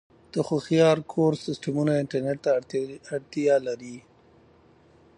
د هوښیار کور سیسټمونه انټرنیټ ته اړتیا لري.